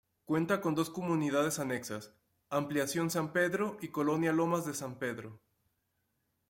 Cuenta con dos comunidades anexas: Ampliación San Pedro y Colonia lomas de San Pedro.